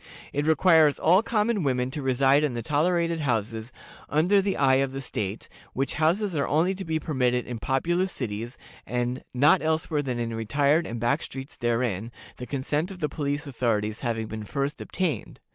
It requires all common women to reside in the tolerated houses "under the eye of the state," which houses are only to be permitted in populous cities, and "not elsewhere than in retired and back streets therein, the consent of the police authorities having been first obtained."